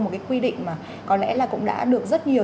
là một quy định mà có lẽ là cũng đã được rất nhiều